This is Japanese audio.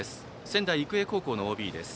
仙台育英高校のＯＢです。